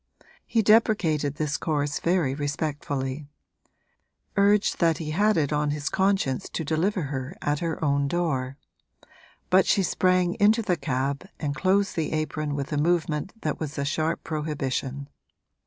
He deprecated this course very respectfully; urged that he had it on his conscience to deliver her at her own door; but she sprang into the cab and closed the apron with a movement that was a sharp prohibition.